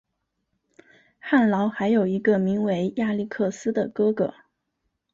翰劳还有一个名为亚历克斯的哥哥。